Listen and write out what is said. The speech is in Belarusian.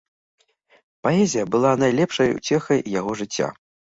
Паэзія была найлепшай уцехай яго жыцця.